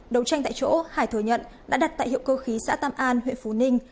đầu tranh tại chỗ hải thừa nhận đã đặt tại hiệu cơ khí xã tam an huyện phú ninh